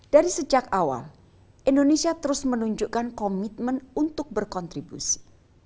dari sejak awal indonesia terus menunjukkan komitmen untuk berkontribusi